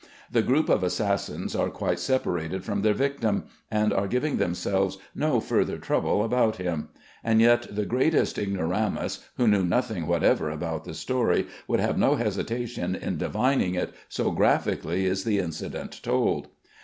The group of assassins are quite separated from their victim, and are giving themselves no further trouble about him; and yet the greatest ignoramus, who knew nothing whatever about the story, would have no hesitation in divining it, so graphically is the incident told.